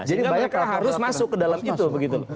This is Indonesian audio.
sehingga mereka harus masuk ke dalam itu